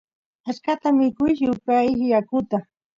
achkata mikush y upiyash yakuta